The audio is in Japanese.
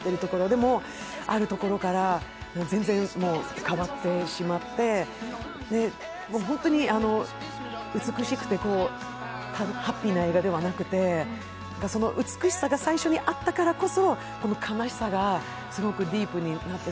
でも、あるところから全然変わってしまって、ホントに美しくてハッピーな映画ではなくてその美しさが最初にあったからこそ、悲しさがすごくディープになって。